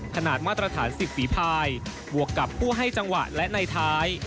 ขนาดมาตรฐาน๑๐ฝีภายบวกกับผู้ให้จังหวะและในท้าย